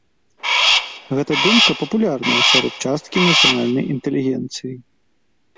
Гэта думка папулярная сярод часткі нацыянальнай інтэлігенцыі.